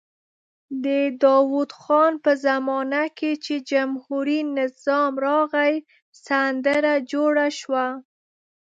د داود خان په زمانه کې چې جمهوري نظام راغی سندره جوړه شوه.